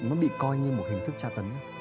nó bị coi như một hình thức tra tấn